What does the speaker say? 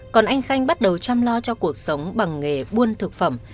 còn anh khanh bắt đầu chăm lo cho cuộc sống bằng nghề buôn thực phẩm